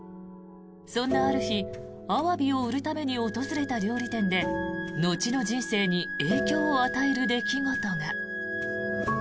そんなある日アワビを売るために訪れた料理店で後の人生に影響を与える出来事が。